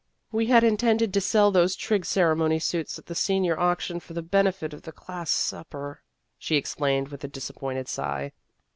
" We had intended to sell those Trig Ceremony suits at the senior auction for the benefit of the class supper," she ex plained with a disappointed sigh.